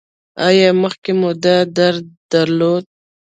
ایا مخکې مو دا درد درلود؟